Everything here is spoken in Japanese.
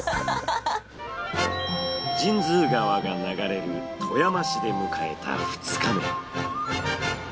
神通川が流れる富山市で迎えた２日目。